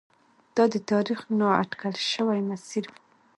دا د تاریخ نا اټکل شوی مسیر و.